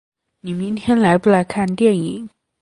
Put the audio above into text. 你明天来不来看电影？